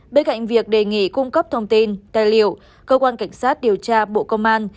bên cạnh việc đề nghị cung cấp thông tin tài liệu cơ quan cảnh sát điều tra bộ công an